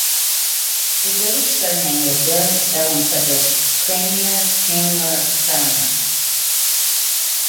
A British surname, with variant spellings such as Cranmere, Cranmer, Crammer.